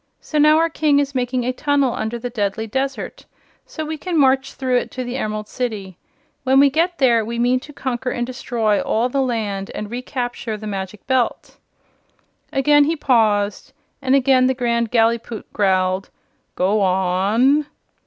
So now our King is making a tunnel under the deadly desert, so we can march through it to the Emerald City. When we get there we mean to conquer and destroy all the land and recapture the Magic Belt." Again he paused, and again the Grand Gallipoot growled: "Go on!"